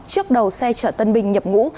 trước đầu xe chở tân binh nhập ngũ